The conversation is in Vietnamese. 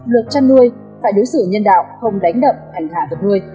luật chăn nuôi phải đối xử nhân đạo không đánh đập hành thả vật nuôi